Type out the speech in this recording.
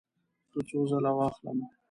څو ځله واخلم؟